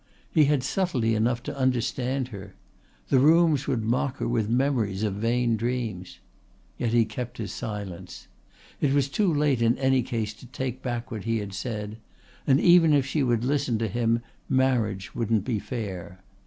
He had subtlety enough to understand her. The rooms would mock her with memories of vain dreams. Yet he kept silence. It was too late in any case to take back what he had said; and even if she would listen to him marriage wouldn't be fair.